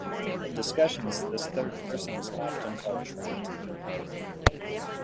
In discussions, this third person is often called "Trent".